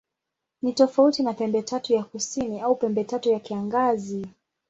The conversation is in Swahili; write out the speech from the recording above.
Ni tofauti na Pembetatu ya Kusini au Pembetatu ya Kiangazi.